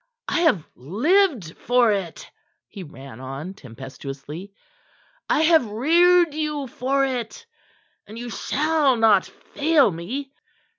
I have lived for it," he ran on tempestuously. "I have reared you for it, and you shall not fail me!"